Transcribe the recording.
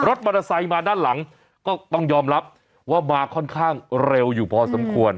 รถมอเตอร์ไซค์มาด้านหลังก็ต้องยอมรับว่ามาค่อนข้างเร็วอยู่พอสมควร